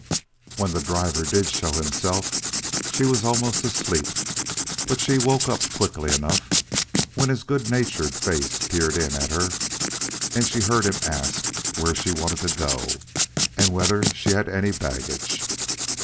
When the driver did show himself, she was almost asleep, but she woke up quickly enough when his good natured face peered in at her and she heard him ask where she wanted to go and whether she had any baggage.